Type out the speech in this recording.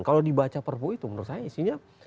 kalau dibaca perpu itu menurut saya isinya